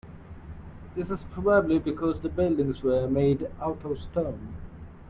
This is probably because the buildings were made out of stone.